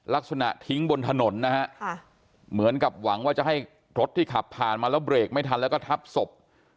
ลักษณะทิ้งบนถนนนะฮะเหมือนกับหวังว่าจะให้รถที่ขับผ่านมาแล้วเบรกไม่ทันแล้วก็ทับศพ